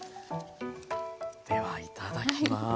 ではいただきます。